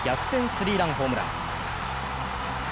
スリーランホームラン。